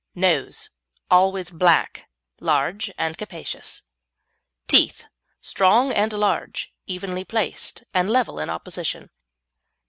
NOSE Always black, large, and capacious. TEETH Strong and large, evenly placed, and level in opposition.